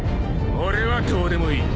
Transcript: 俺はどうでもいい。